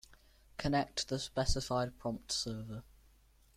Connect to the specified prompt server.